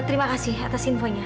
terima kasihabar urusan suaranya